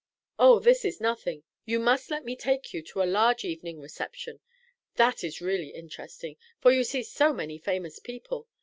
"Oh, this is nothing. You must let me take you to a large evening reception. That is really interesting, for you see so many famous people.